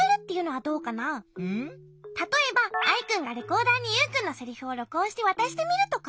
たとえばアイくんがレコーダーにユウくんのセリフをろくおんしてわたしてみるとか？